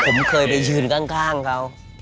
ผมเคยไปยืนข้างเขา